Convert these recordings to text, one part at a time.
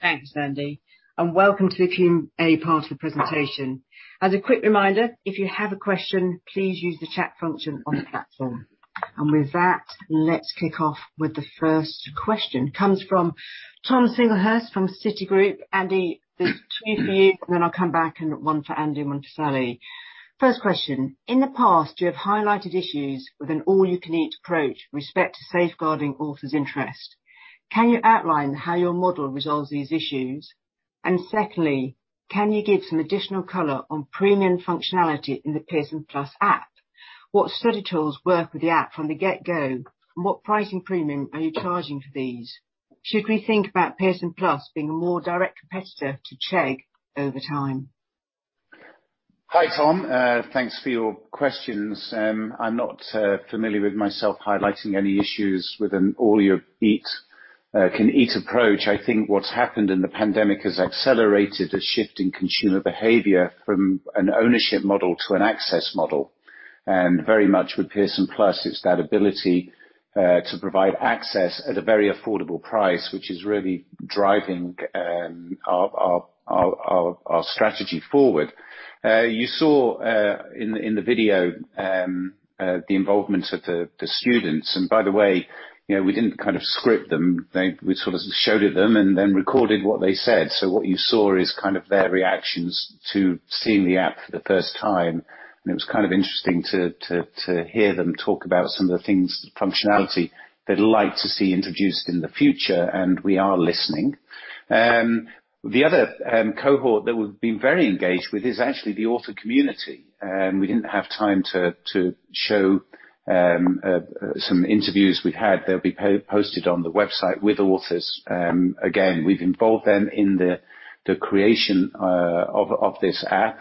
Thanks, Andy, and welcome to the Q&A part of the presentation. As a quick reminder, if you have a question, please use the chat function on the platform. With that, let's kick off with the first question, comes from Thomas Singlehurst from Citigroup. Andy, there's two for you, and then I'll come back and one for Andy and one for Sally. First question. In the past, you have highlighted issues with an all-you-can-eat approach with respect to safeguarding authors' interest. Can you outline how your model resolves these issues? Secondly, can you give some additional color on premium functionality in the Pearson+ app? What study tools work with the app from the get-go, and what pricing premium are you charging for these? Should we think about Pearson+ being a more direct competitor to Chegg over time? Hi, Tom. Thanks for your questions. I'm not familiar with myself highlighting any issues with an all-you-can-eat approach. I think what's happened in the pandemic has accelerated a shift in consumer behavior from an ownership model to an access model. Very much with Pearson+, it's that ability to provide access at a very affordable price, which is really driving our strategy forward. You saw in the video, the involvement of the students. By the way, we didn't script them. We sort of showed it to them and then recorded what they said. What you saw is kind of their reactions to seeing the app for the first time, and it was interesting to hear them talk about some of the things, the functionality they'd like to see introduced in the future, and we are listening. The other cohort that we've been very engaged with is actually the author community. We didn't have time to show some interviews we've had. They'll be posted on the website with authors. We've involved them in the creation of this app,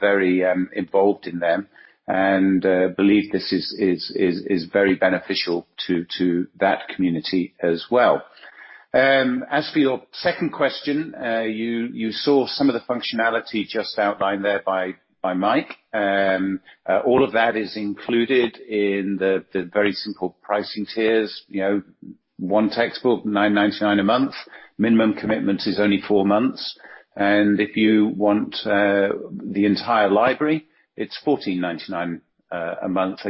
very involved in them and believe this is very beneficial to that community as well. As for your second question, you saw some of the functionality just outlined there by Mike. All of that is included in the very simple pricing tiers. One textbook, $9.99 a month. Minimum commitment is only four months. If you want the entire library, it's $14.99 a month.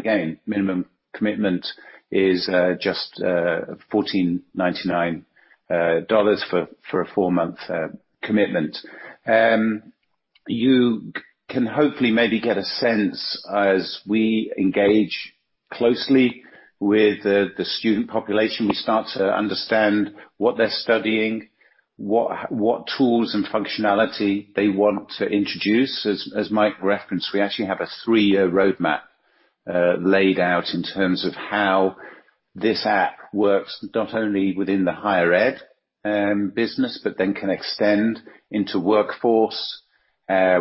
Minimum commitment is just $14.99 for a four-month commitment. You can hopefully maybe get a sense as we engage closely with the student population, we start to understand what they're studying, what tools and functionality they want to introduce. As Mike referenced, we actually have a three-year roadmap laid out in terms of how this app works, not only within the Higher Education business, but then can extend into workforce.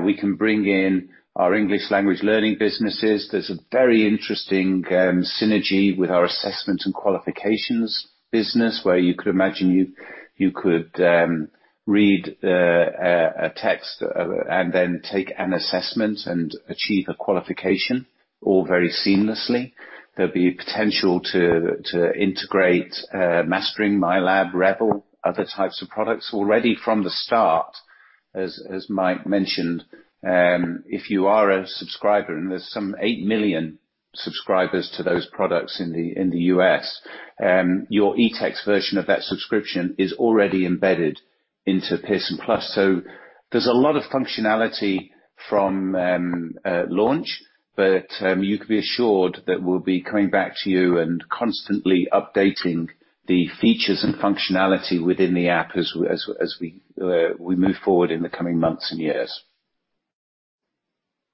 We can bring in our English Language Learning businesses. There's a very interesting synergy with our Assessments and Qualifications business, where you could imagine you could read a text and then take an assessment and achieve a qualification, all very seamlessly. There'll be potential to integrate Mastering, MyLab, Revel, other types of products. Already from the start, as Mike mentioned, if you are a subscriber, and there's some 8 million subscribers to those products in the U.S., your eText version of that subscription is already embedded into Pearson+. There's a lot of functionality from launch, but you can be assured that we'll be coming back to you and constantly updating the features and functionality within the app as we move forward in the coming months and years.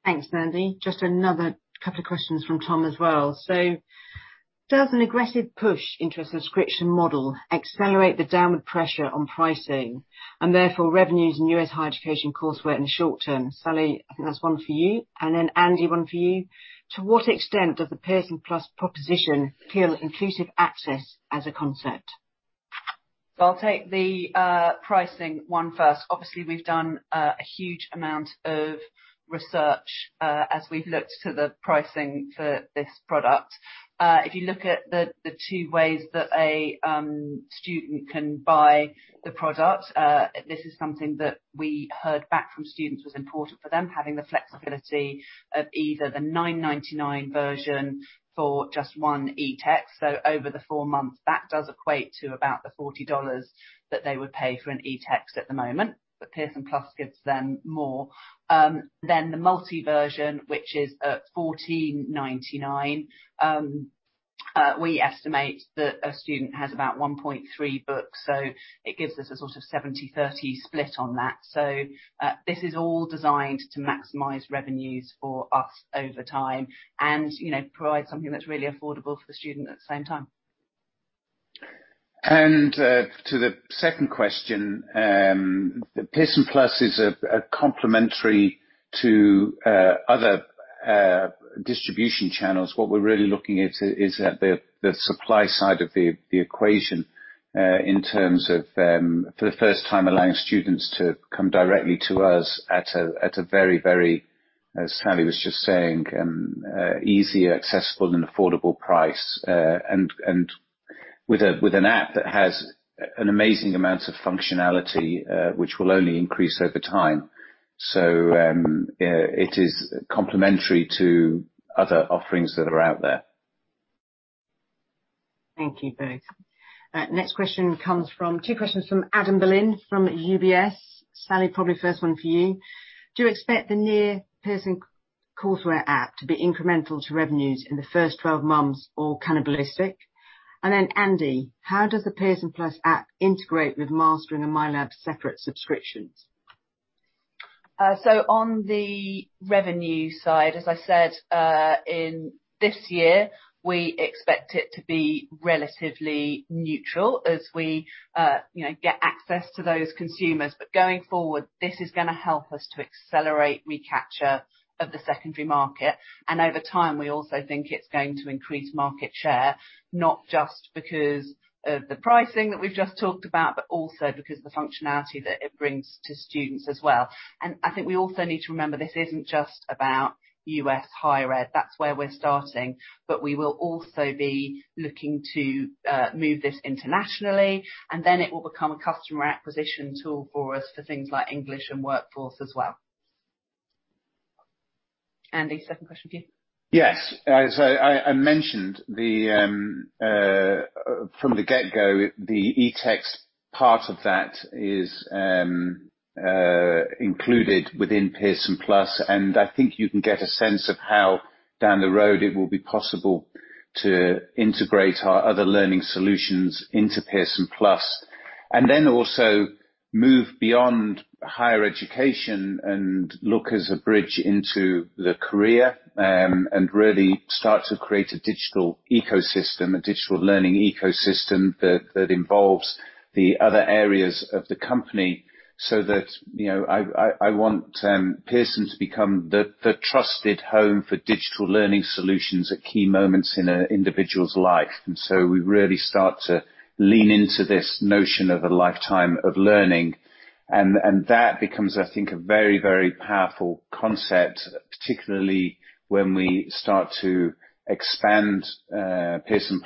Thanks, Andy. Just another couple of questions from Tom as well. Does an aggressive push into a subscription model accelerate the downward pressure on pricing and therefore revenues in U.S. Higher Education coursework in the short term? Sally, I think that's one for you, and then Andy, one for you. To what extent does the Pearson+ proposition kill Inclusive Access as a concept? I'll take the pricing one first. Obviously, we've done a huge amount of research, as we've looked to the pricing for this product. If you look at the two ways that a student can buy the product, this is something that we heard back from students was important for them, having the flexibility of either the $9.99 version for just one eText. Over the four months, that does equate to about the $40 that they would pay for an eText at the moment, but Pearson+ gives them more. The multi version, which is $14.99. We estimate that a student has about 1.3 books, so it gives us a sort of 70/30 split on that. This is all designed to maximize revenues for us over time and provide something that's really affordable for the student at the same time. To the second question, Pearson+ is a complementary to other distribution channels. What we're really looking at is at the supply side of the equation, in terms of, for the first time, allowing students to come directly to us at a very, as Sally was just saying, easy, accessible, and affordable price, and with an app that has an amazing amount of functionality, which will only increase over time. It is complementary to other offerings that are out there. Thank you both. Two questions from Adam Berlin from UBS. Sally, probably first one for you. Do you expect the new Pearson Courseware app to be incremental to revenues in the first 12 months or cannibalistic? Andy, how does the Pearson+ app integrate with Mastering and MyLab separate subscriptions? On the revenue side, as I said, in this year, we expect it to be relatively neutral as we get access to those consumers. Going forward, this is going to help us to accelerate recapture of the secondary market. Over time, we also think it's going to increase market share, not just because of the pricing that we've just talked about, but also because the functionality that it brings to students as well. I think we also need to remember, this isn't just about U.S. Higher Education. That's where we're starting, but we will also be looking to move this internationally, and then it will become a customer acquisition tool for us for things like English and Workforce as well. Andy, second question for you. Yes. As I mentioned, from the get-go, the eText part of that is included within Pearson+, and I think you can get a sense of how down the road it will be possible to integrate our other learning solutions into Pearson+. Also move beyond higher education and look as a bridge into the career, and really start to create a digital ecosystem, a digital learning ecosystem that involves the other areas of the company, so that I want Pearson to become the trusted home for digital learning solutions at key moments in a individual's life. We really start to lean into this notion of a lifetime of learning, and that becomes, I think, a very powerful concept, particularly when we start to expand Pearson+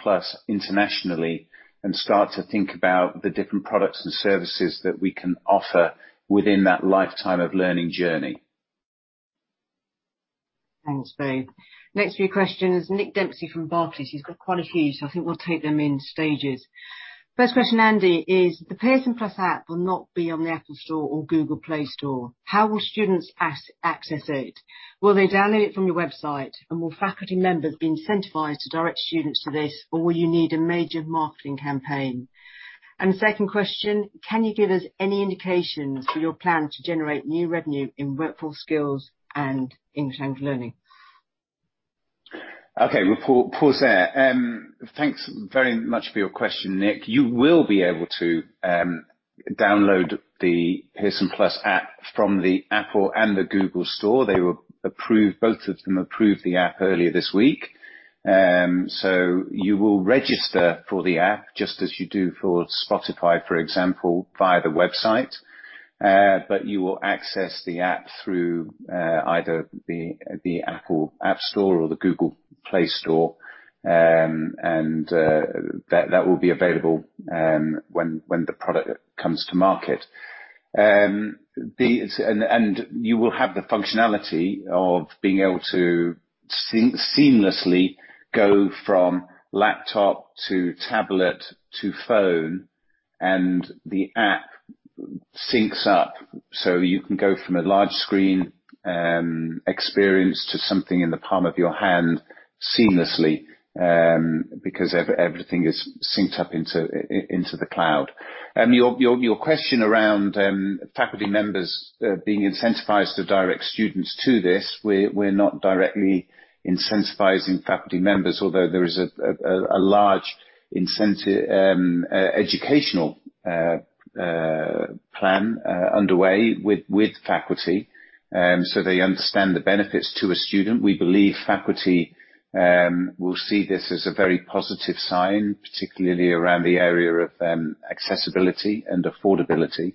internationally and start to think about the different products and services that we can offer within that lifetime of learning journey. Thanks, both. Next few questions, Nick Dempsey from Barclays. He's got quite a few, so I think we'll take them in stages. First question, Andy, is the Pearson+ app will not be on the Apple App Store or Google Play Store. How will students access it? Will they download it from your website, will faculty members be incentivized to direct students to this, or will you need a major marketing campaign? Second question, can you give us any indications for your plan to generate new revenue in Workforce Skills and English Language Learning? Okay. We'll pause there. Thanks very much for your question, Nick. You will be able to download the Pearson+ app from the Apple and the Google Store. Both of them approved the app earlier this week. You will register for the app just as you do for Spotify, for example, via the website. You will access the app through either the Apple App Store or the Google Play Store. That will be available when the product comes to market. You will have the functionality of being able to seamlessly go from laptop to tablet to phone, and the app syncs up. You can go from a large screen experience to something in the palm of your hand seamlessly, because everything is synced up into the cloud. Your question around faculty members being incentivized to direct students to this, we're not directly incentivizing faculty members, although there is a large incentive educational plan underway with faculty, so they understand the benefits to a student. We believe faculty will see this as a very positive sign, particularly around the area of accessibility and affordability.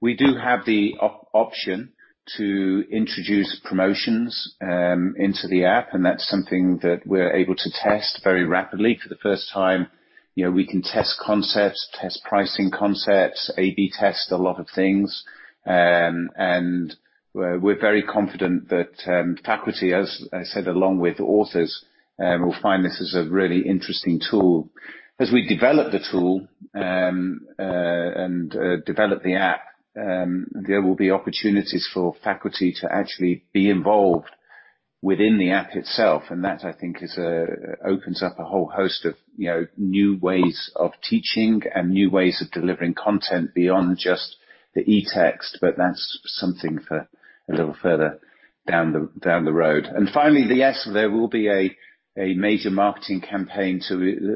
We do have the option to introduce promotions into the app, and that's something that we're able to test very rapidly for the first time. We can test concepts, test pricing concepts, A/B test a lot of things. We're very confident that faculty, as I said, along with authors, will find this as a really interesting tool. As we develop the tool and develop the app, there will be opportunities for faculty to actually be involved within the app itself, that I think opens up a whole host of new ways of teaching and new ways of delivering content beyond just the eText, that's something for a little further down the road. Finally, yes, there will be a major marketing campaign.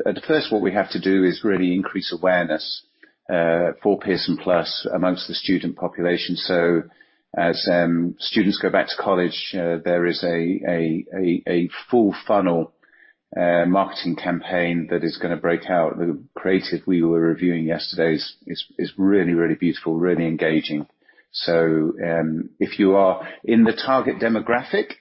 At first, what we have to do is really increase awareness for Pearson+ amongst the student population. As students go back to college, there is a full funnel marketing campaign that is going to break out. The creative we were reviewing yesterday is really beautiful, really engaging. If you are in the target demographic,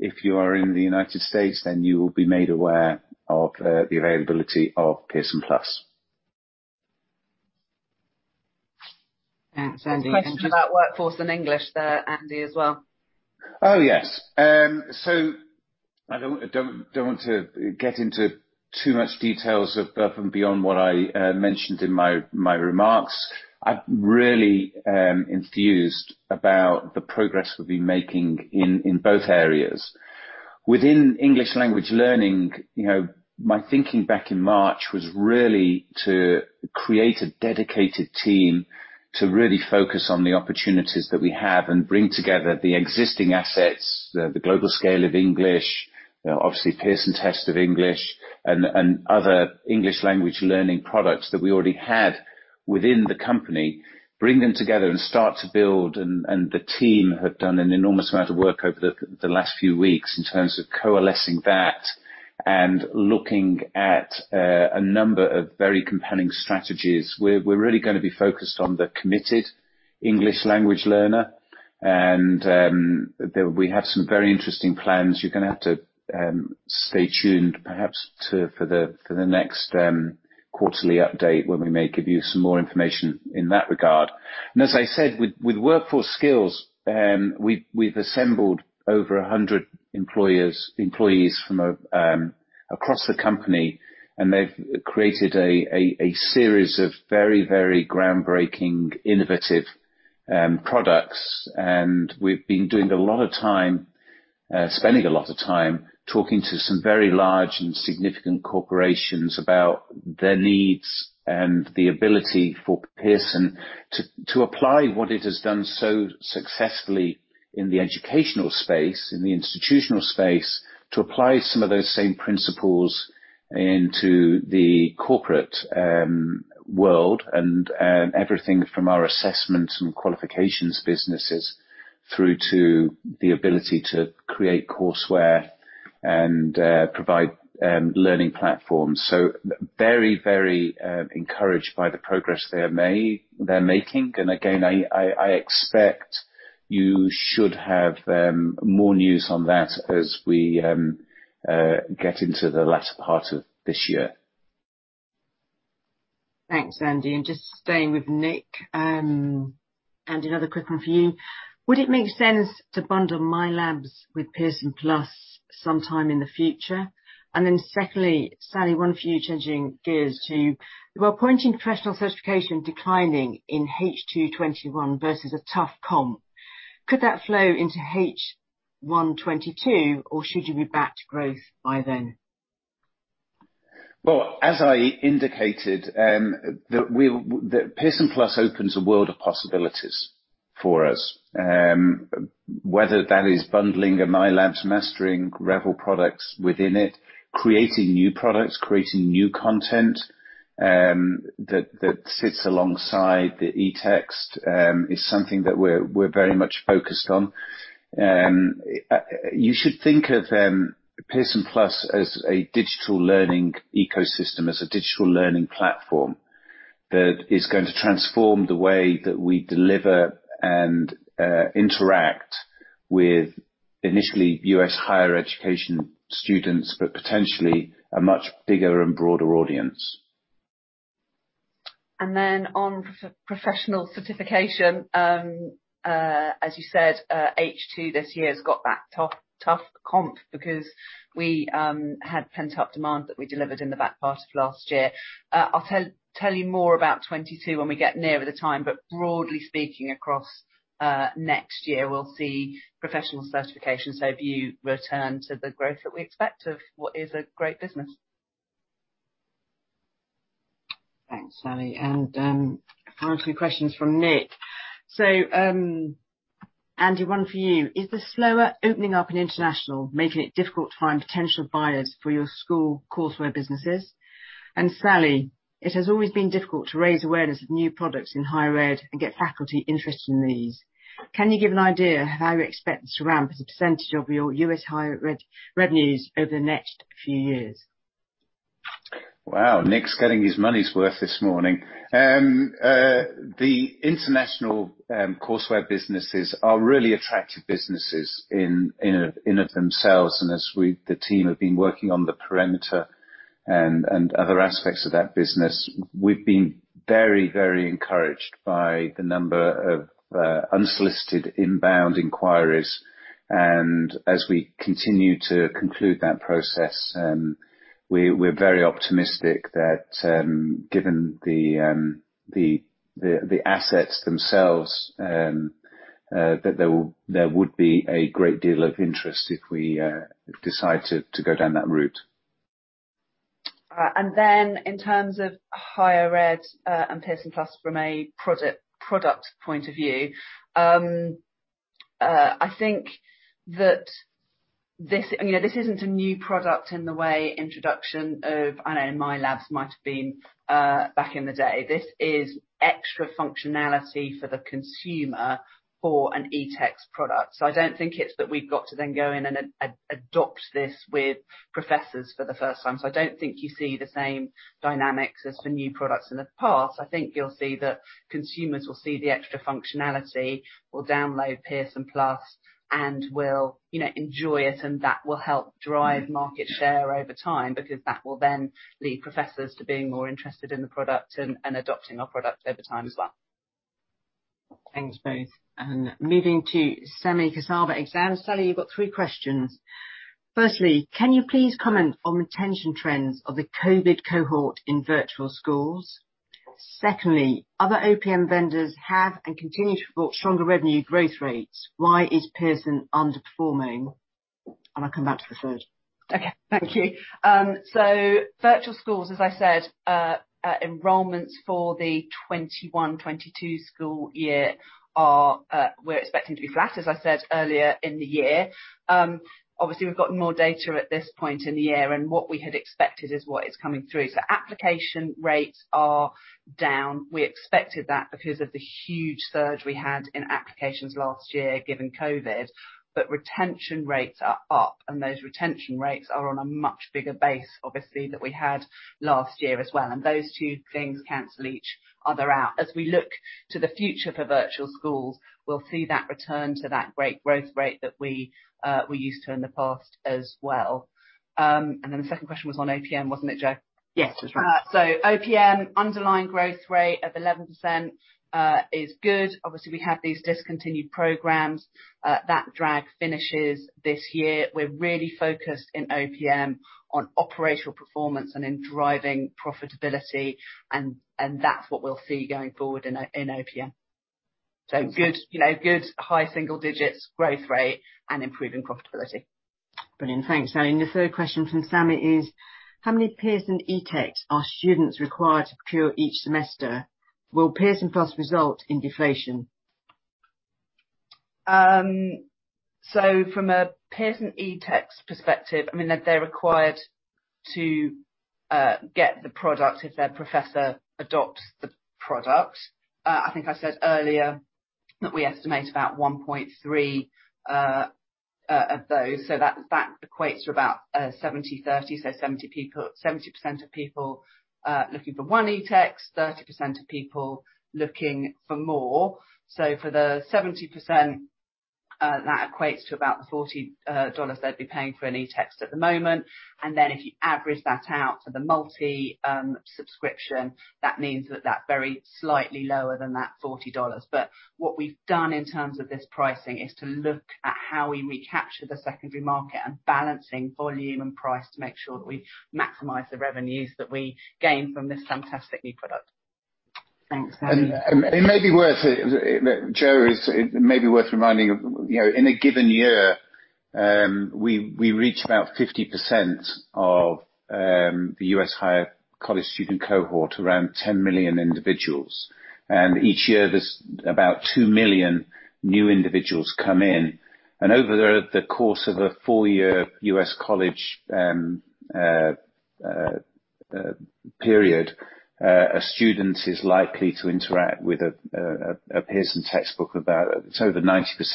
if you are in the U.S., you will be made aware of the availability of Pearson+. Thanks, Andy. Question about Workforce and English there, Andy, as well. Oh, yes. I don't want to get into too much details above and beyond what I mentioned in my remarks. I'm really enthused about the progress we've been making in both areas. Within English Language Learning, my thinking back in March was really to create a dedicated team to really focus on the opportunities that we have and bring together the existing assets, the Global Scale of English, obviously Pearson Test of English and other English language learning products that we already had within the company, bring them together and start to build. The team have done an enormous amount of work over the last few weeks in terms of coalescing that and looking at a number of very compelling strategies. We're really going to be focused on the committed English language learner. We have some very interesting plans. You're going to have to stay tuned perhaps for the next quarterly update when we may give you some more information in that regard. As I said, with Workforce Skills, we've assembled over 100 employees from across the company, and they've created a series of very groundbreaking, innovative products. We've been spending a lot of time talking to some very large and significant corporations about their needs and the ability for Pearson to apply what it has done so successfully in the educational space, in the institutional space. To apply some of those same principles into the corporate world and everything from our Assessments and Qualifications businesses, through to the ability to create courseware and provide learning platforms. Very encouraged by the progress they're making. Again, I expect you should have more news on that as we get into the latter part of this year. Thanks, Andy. Just staying with Nick, another quick one for you. Would it make sense to bundle MyLab with Pearson+ sometime in the future? Secondly, Sally, one for you, changing gears to, with our Professional Certification declining in H2 2021 versus a tough comp, could that flow into H1 2022 or should you be back to growth by then? Well, as I indicated, Pearson+ opens a world of possibilities for us. Whether that is bundling a MyLab Mastering Revel products within it, creating new products, creating new content that sits alongside the eText is something that we're very much focused on. You should think of Pearson+ as a digital learning ecosystem, as a digital learning platform that is going to transform the way that we deliver and interact with initially U.S. higher education students, but potentially a much bigger and broader audience. On Professional Certification, as you said, H2 this year has got that tough comp because we had pent-up demand that we delivered in the back part of last year. I'll tell you more about 2022 when we get nearer the time, but broadly speaking, across next year, we'll see Professional Certification, VUE return to the growth that we expect of what is a great business. Thanks, Sally. Final two questions from Nick. Andy, one for you. Is the slower opening up in international making it difficult to find potential buyers for your school courseware businesses? Sally, it has always been difficult to raise awareness of new products in Higher Education and get faculty interested in these. Can you give an idea how you expect this to ramp as a percentage of your U.S. Higher Education revenues over the next few years? Wow, Nick's getting his money's worth this morning. The international courseware businesses are really attractive businesses in it themselves. As the team have been working on the perimeter and other aspects of that business, we've been very encouraged by the number of unsolicited inbound inquiries. As we continue to conclude that process, we're very optimistic that given the assets themselves that there would be a great deal of interest if we decide to go down that route. Then in terms of Higher Education, and Pearson+ from a product point of view. I think that this isn't a new product in the way introduction of, I know MyLab might have been back in the day. This is extra functionality for the consumer for an eText product. I don't think it's that we've got to then go in and adopt this with professors for the first time. I don't think you see the same dynamics as for new products in the past. I think you'll see that consumers will see the extra functionality, will download Pearson+ and will enjoy it, and that will help drive market share over time because that will then lead professors to being more interested in the product and adopting our product over time as well. Thanks, both. Moving to Sami Kassab, Exane. Sami, you've got three questions. Firstly, can you please comment on retention trends of the COVID cohort in Virtual Schools? Secondly, other OPM vendors have and continue to report stronger revenue growth rates. Why is Pearson underperforming? I'll come back to the third. Okay. Thank you. Virtual Schools, as I said, enrollments for the 2021, 2022 school year, we're expecting to be flat, as I said earlier in the year. Obviously, we've got more data at this point in the year, and what we had expected is what is coming through. Application rates are down. We expected that because of the huge surge we had in applications last year, given COVID. Retention rates are up, those retention rates are on a much bigger base, obviously, than we had last year as well. Those two things cancel each other out. As we look to the future for Virtual Schools, we'll see that return to that great growth rate that we were used to in the past as well. The second question was on OPM, wasn't it, Jo? Yes, that's right. OPM underlying growth rate of 11% is good. Obviously, we have these discontinued programs. That drag finishes this year. We're really focused in OPM on operational performance and in driving profitability, and that's what we'll see going forward in OPM. Good high single digits growth rate and improving profitability. Brilliant. Thanks, Sally. The third question from Sami is: how many Pearson eTexts are students required to procure each semester? Will Pearson+ result in deflation? From a Pearson eText perspective, they're required to get the product if their professor adopts the product. I think I said earlier that we estimate about 1.3 of those. That equates to about 70/30. 70% of people are looking for one eText, 30% of people looking for more. For the 70%, that equates to about the $40 they'd be paying for an eText at the moment. If you average that out for the multi-subscription, that means that that very slightly lower than that $40. What we've done in terms of this pricing is to look at how we recapture the secondary market and balancing volume and price to make sure that we maximize the revenues that we gain from this fantastic new product. Thanks, Sally. It may be worth, Jo, it may be worth reminding, in a given year, we reach about 50% of the U.S. higher college student cohort, around 10 million individuals. Each year there's about 2 million new individuals come in. Over the course of a four-year U.S. college period, a student is likely to interact with a Pearson textbook. Over 90%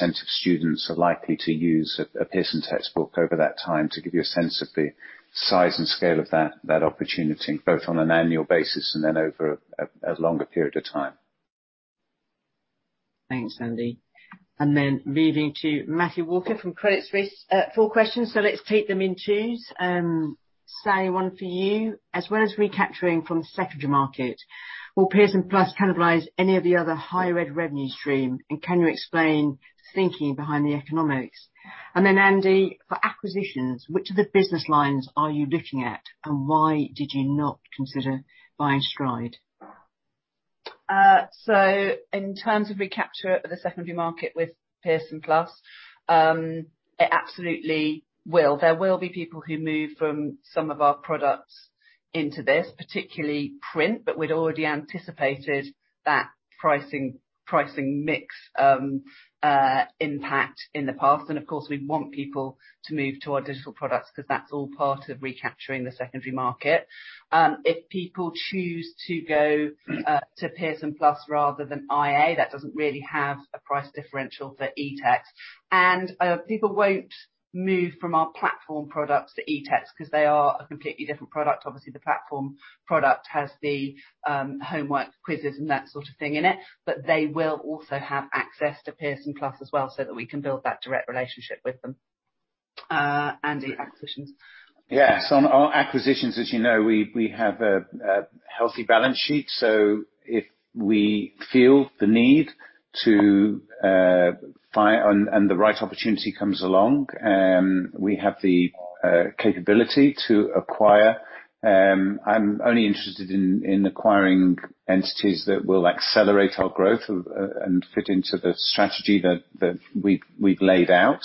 of students are likely to use a Pearson textbook over that time, to give you a sense of the size and scale of that opportunity, both on an annual basis and then over a longer period of time. Thanks, Andy. Moving to Matthew Walker from Credit Suisse. Four questions, let's take them in twos. Sally, one for you. As well as recapturing from the secondary market, will Pearson+ cannibalize any of the other Higher Education revenue stream? Can you explain the thinking behind the economics? Andy, for acquisitions, which of the business lines are you looking at, and why did you not consider buying Stride? In terms of recapture of the secondary market with Pearson+, it absolutely will. There will be people who move from some of our products into this, particularly print, but we'd already anticipated that pricing mix impact in the past. Of course, we want people to move to our digital products because that's all part of recapturing the secondary market. If people choose to go to Pearson+ rather than IA, that doesn't really have a price differential for eText. People won't move from our platform products to eText because they are a completely different product. Obviously, the platform product has the homework quizzes and that sort of thing in it, but they will also have access to Pearson+ as well, so that we can build that direct relationship with them. Andy, acquisitions. Yes. On our acquisitions, as you know, we have a healthy balance sheet. If we feel the need to find and the right opportunity comes along, we have the capability to acquire. I'm only interested in acquiring entities that will accelerate our growth and fit into the strategy that we've laid out.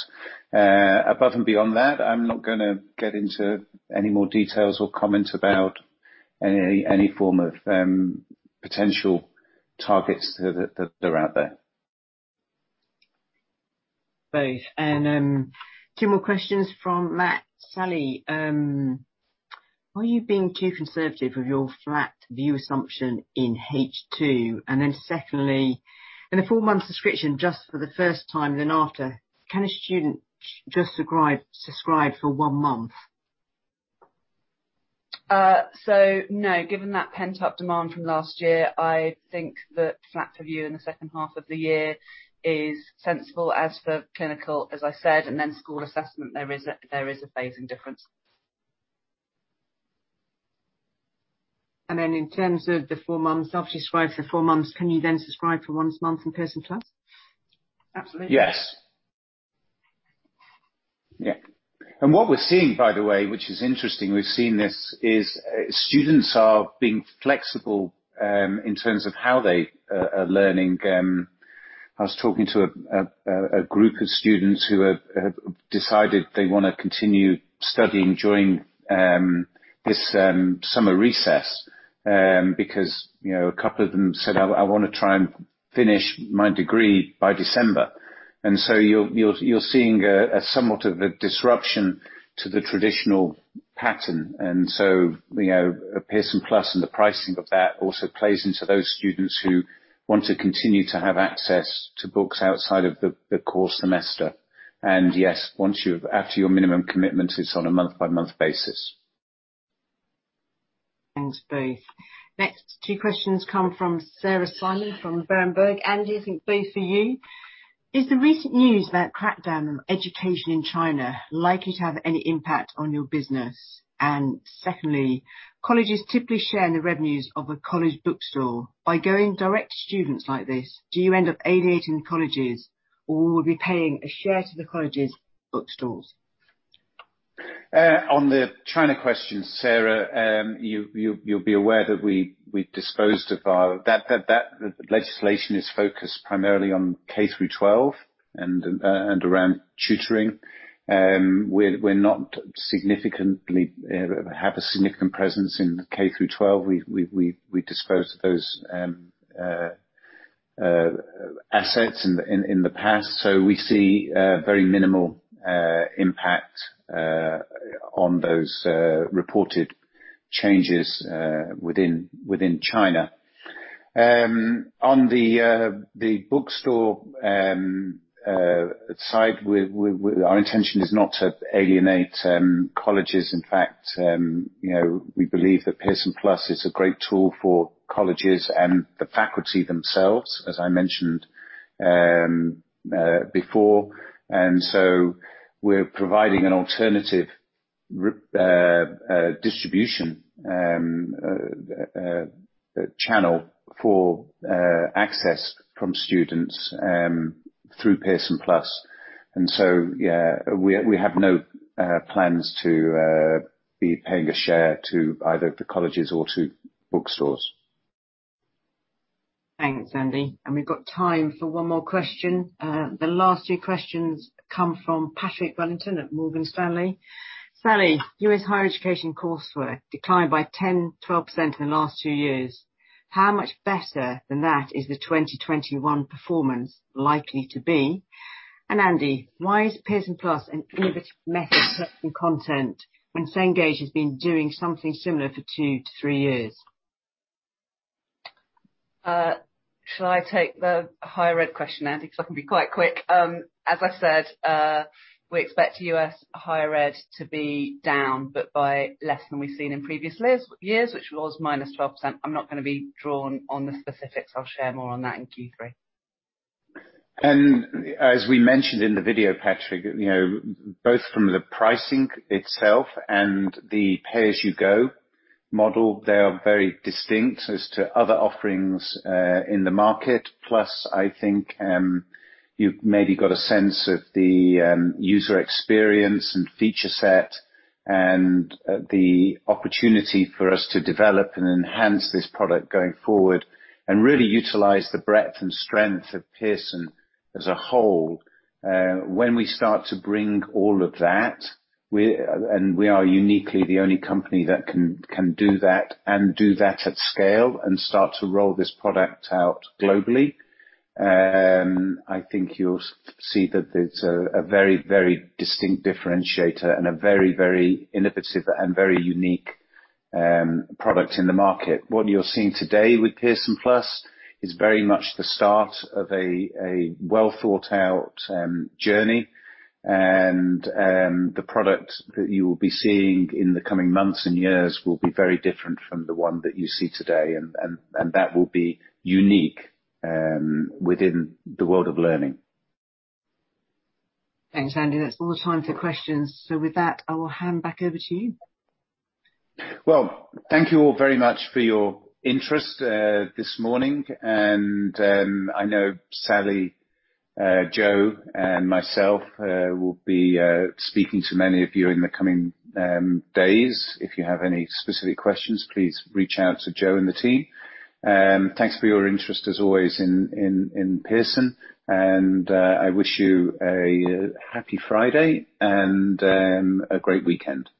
Above and beyond that, I'm not gonna get into any more details or comment about any form of potential targets that are out there. Both. Two more questions from Matt. Sally, are you being too conservative with your flat VUE assumption in H2? Secondly, in a four-month subscription, just for the first time then after, can a student just subscribe for one month? No, given that pent-up demand from last year, I think the flat VUE in the second half of the year is sensible. As for clinical, as I said, and then school assessment, there is a phasing difference. In terms of the four months, after you subscribe for four months, can you then subscribe for one month in Pearson+? Absolutely. Yes. Yeah. What we're seeing, by the way, which is interesting, we're seeing this, is students are being flexible in terms of how they are learning. I was talking to a group of students who have decided they want to continue studying during this summer recess, because a couple of them said, I want to try and finish my degree by December. You're seeing somewhat of a disruption to the traditional pattern. Pearson+ and the pricing of that also plays into those students who want to continue to have access to books outside of the course semester. Yes, after your minimum commitment, it's on a month-by-month basis. Thanks, both. Next two questions come from Sarah Simon from Berenberg. Andy, I think both are you. Is the recent news about crackdown on education in China likely to have any impact on your business? Secondly, colleges typically share in the revenues of a college bookstore. By going direct to students like this, do you end up alienating the colleges, or will you be paying a share to the colleges' bookstores? On the China question, Sarah, you'll be aware that That legislation is focused primarily on K through 12 and around tutoring. We're not significantly have a significant presence in K through 12. We disposed of those assets in the past. We see very minimal impact on those reported changes within China. On the bookstore side, our intention is not to alienate colleges. In fact, we believe that Pearson+ is a great tool for colleges and the faculty themselves, as I mentioned before. We're providing an alternative distribution channel for access from students through Pearson+. Yeah, we have no plans to be paying a share to either the colleges or to bookstores. Thanks, Andy. We've got time for one more question. The last two questions come from Patrick Wellington at Morgan Stanley. Sally, U.S. higher education coursework declined by 10%-12% in the last two years. How much better than that is the 2021 performance likely to be? Andy, why is Pearson+ an innovative method of selling content when Cengage has been doing something similar for two to three years? Shall I take the Higher Education question, Andy? I can be quite quick. As I said, we expect U.S. Higher Education to be down, but by less than we've seen in previous years, which was -12%. I'm not gonna be drawn on the specifics. I'll share more on that in Q3. As we mentioned in the video, Patrick, both from the pricing itself and the pay-as-you-go model, they are very distinct as to other offerings in the market. I think you've maybe got a sense of the user experience and feature set, and the opportunity for us to develop and enhance this product going forward, and really utilize the breadth and strength of Pearson as a whole. When we start to bring all of that, and we are uniquely the only company that can do that and do that at scale, and start to roll this product out globally, I think you'll see that it's a very distinct differentiator and a very innovative and very unique product in the market. What you're seeing today with Pearson+ is very much the start of a well-thought-out journey. The product that you will be seeing in the coming months and years will be very different from the one that you see today, and that will be unique within the world of learning. Thanks, Andy. That's all the time for questions. With that, I will hand back over to you. Well, thank you all very much for your interest this morning. I know Sally, Jo, and myself will be speaking to many of you in the coming days. If you have any specific questions, please reach out to Jo and the team. Thanks for your interest, as always, in Pearson. I wish you a happy Friday and a great weekend.